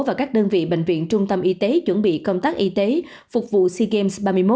và các đơn vị bệnh viện trung tâm y tế chuẩn bị công tác y tế phục vụ sea games ba mươi một